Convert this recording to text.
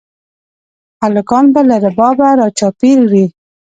هلکان به له ربابه راچاپېر وي